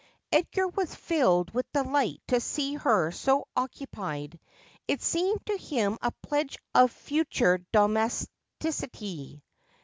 Edgar was filled with delight to see her so occu pied. It seemed to him a pledge of future domesticity.